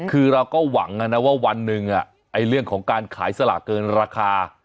คือเราก็หวังนะว่าวันหนึ่งเรื่องของการขายสลากเกินราคา